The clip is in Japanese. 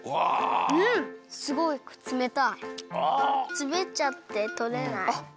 すべっちゃってとれない。